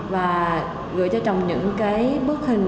và gửi cho chồng những cái bức hình